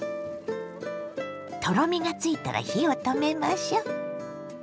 とろみがついたら火を止めましょ。